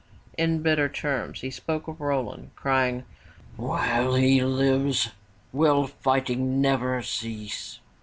In bitter terms he spoke of Roland crying, ''While he lives, will fighting never cease.